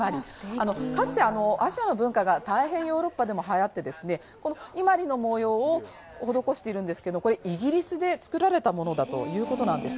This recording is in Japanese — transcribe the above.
かつてアジアの文化が大変ヨーロッパでもはやって、伊万里の模様を施しているんですが、イギリスで作られたものだということなんです